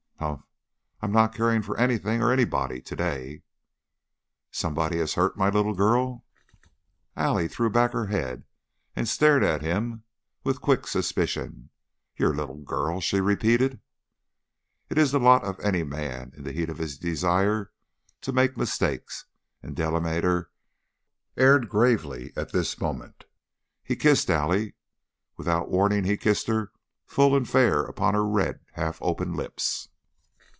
"Humph! I'm not caring for anything or anybody to day." "Somebody has hurt my little girl." Allie threw back her head and stared at him with quick suspicion. "Your little girl?" she repeated. It is the lot of any man in the heat of his desire to make mistakes, and Delamater erred gravely at this moment. He kissed Allie. Without warning he kissed her full and fair upon her red, half open lips.